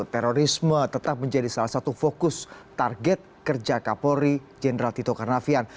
terorisme tetap menjadi salah satu fokus target kerja kapolri jenderal tito karnavian